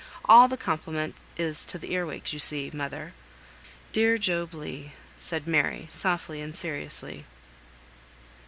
All the compliment is to the earwigs, you see, mother!" "Dear Job Legh!" said Mary, softly and seriously.